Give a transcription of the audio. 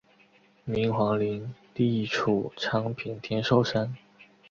明皇陵地处昌平天寿山。